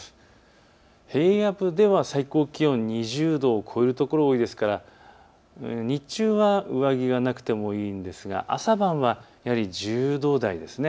平野部では最高気温２０度を超える所が多いですから日中は上着がなくてもいいんですが朝晩はやはり１０度台です。